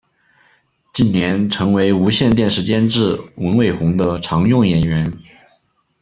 近年曾为无线电视监制文伟鸿的常用演员。